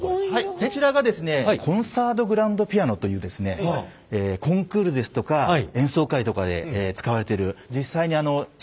こちらがですねコンサートグランドピアノというですねコンクールですとか演奏会とかで使われてる。